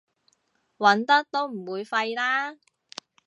揾得都唔會廢啦